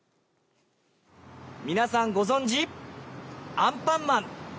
皆さんご存じアンパンマン。